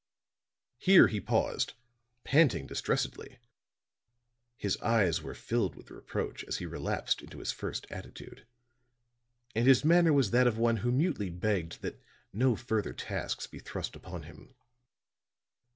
Here he paused, panting distressedly; his eyes were filled with reproach as he relapsed into his first attitude; and his manner was that of one who mutely begged that no further tasks be thrust upon him.